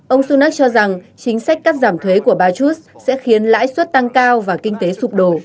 ông sunak cho rằng chính sách cắt giảm thuế của ba chús sẽ khiến lãi suất tăng cao và kinh tế sụp đổ